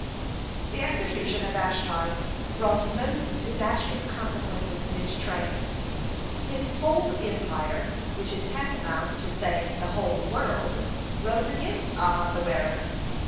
(46) The execution of Vashti brought most disastrous consequences in its train. His whole empire, which is tantamount to saying the whole world, rose against Ahasuerus.